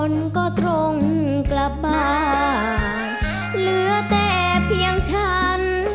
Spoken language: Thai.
เน็บช้า